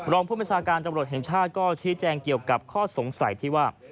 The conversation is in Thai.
รองผู้บัญชาการตำรวจแห่งชาติก็ชี้แจงเกี่ยวกับข้อสงสัยที่ว่า